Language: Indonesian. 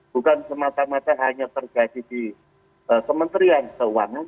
bukan semata mata hanya terjadi di kementerian keuangan